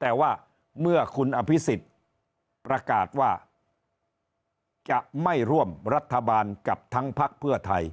แต่ว่าเมื่อคุณอภิษฎประกาศว่าจะไม่ร่วมรัฐบาลกับทั้งพักเพื่อไทย